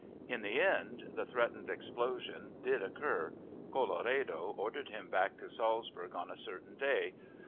In the end the threatened explosion did occur. Colloredo ordered him back to Salzburg on a certain day.